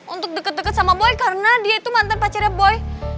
untuk deket deket sama boy karena dia itu mantan pacarnya boy